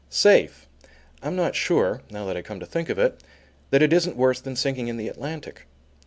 Safe! I'm not sure now that I come to think of it that it isn't worse than sinking in the Atlantic.